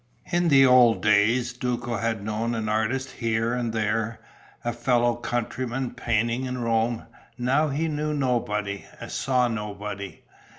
In the old days Duco had known an artist here and there, a fellow countryman painting in Rome; now he knew nobody, saw nobody.